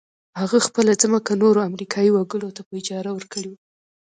هغه خپله ځمکه نورو امريکايي وګړو ته په اجاره ورکړې وه.